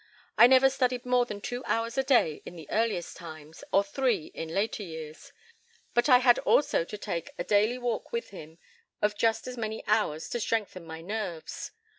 I never studied more than two hours a day in the earliest times, or three in later years; but I had also to take a daily walk with him of just as many hours to strengthen my nerves.